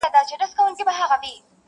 ما درکړي تا ته سترګي چي مي ووینې پخپله!.